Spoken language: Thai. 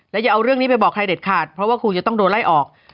อย่าเอาเรื่องนี้ไปบอกใครเด็ดขาดเพราะว่าครูจะต้องโดนไล่ออก